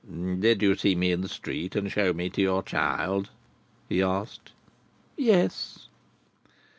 "Did you see me in the street, and show me to your child?" he asked. "Yes."